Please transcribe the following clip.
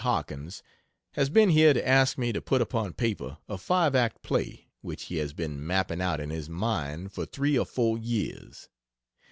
Harkins has been here to ask me to put upon paper a 5 act play which he has been mapping out in his mind for 3 or 4 years.